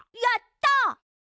やった！